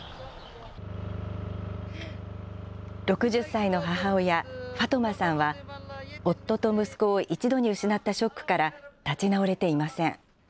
６０歳の母親、ファトマさんは、夫と息子を一度に失ったショックから立ち直れていません。